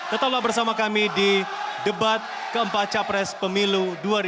tetaplah bersama kami di debat keempat capres pemilu dua ribu dua puluh